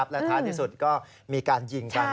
และท้ายที่สุดก็มีการยิงกัน